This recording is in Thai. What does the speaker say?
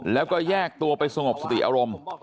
แล้วก็แยกตัวไปสงบสติอารมณ์